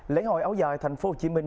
lễ hội áo dài thành phố hồ chí minh